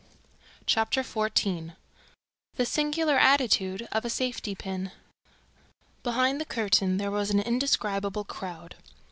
Chapter XIV The Singular Attitude of a Safety Pin Behind the curtain, there was an indescribable crowd.